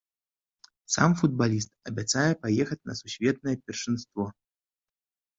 Сам футбаліст абяцае паехаць на сусветнае першынство.